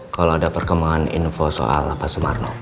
kalo ada perkembangan info soal pas sumarno